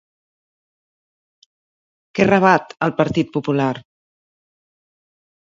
Què rebat al Partit Popular?